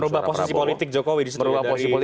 merubah posisi politik jokowi disitu